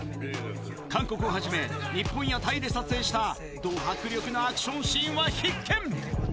韓国をはじめ、日本やタイで撮影したド迫力なアクションシーンは必見。